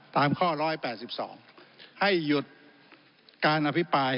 ตามข้อ๑๘๒ให้หยุดการอภิปราย